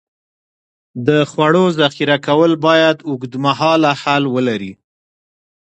د خوړو ذخیره کول باید اوږدمهاله حل ولري.